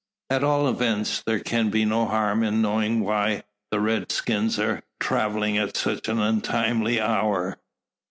At all events, there can be no harm in knowing why the redskins are travelling at such an untimely hour.